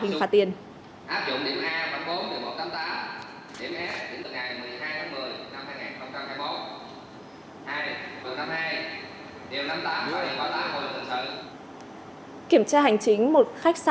áp dụng điểm a phần bốn điểm một phần ba điểm s điểm hai điểm một mươi hai phần một mươi năm phần hai phần ba phần bốn hai phần năm hai điểm năm phần sáu điểm tám phần bảy phần tám phần tám phần tám